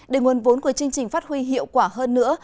để nguồn vốn của chương trình phát huy hiệu quả hơn nữa